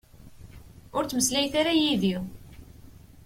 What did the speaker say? Ur ttmeslayet ara yid-i.